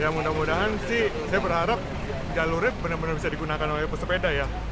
mudah mudahan sih saya berharap jalur ini benar benar bisa digunakan oleh pesepeda ya